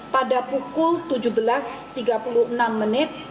pada pukul tujuh belas tiga puluh enam menit